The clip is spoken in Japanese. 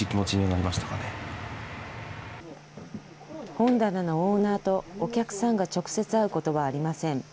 本棚のオーナーとお客さんが直接会うことはありません。